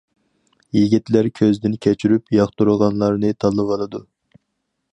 يىگىتلەر كۆزدىن كەچۈرۈپ، ياقتۇرغانلارنى تاللىۋالىدۇ.